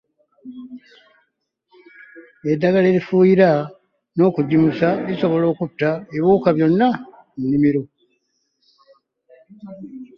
Eddagala erifuuyira n’okugimusa lisobola okutta ebiwuka byonna mu nnimiro.